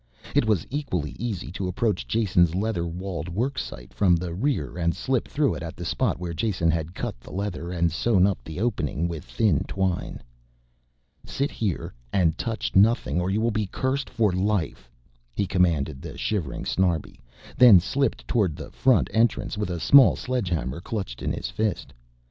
It was equally easy to approach Jason's leather walled worksite from the rear and slip through it at the spot where Jason had cut the leather and sewn up the opening with thin twine. "Sit here and touch nothing or you will be cursed for life," he commanded the shivering Snarbi, then slipped towards the front entrance with a small sledge hammer clutched in his fist.